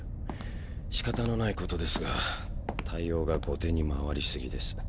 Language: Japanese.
しかたのないことですが対応が後手に回り過ぎです。